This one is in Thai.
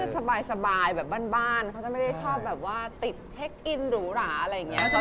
เขาก็จะสบายแบบบ้านเขาจะไม่ได้ชอบติดเทคอินหรูหราอะไรอย่างเงี้ย